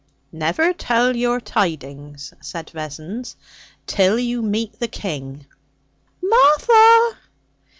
'Never tell your tidings,' said Vessons, 'till you meet the king.' 'Martha!'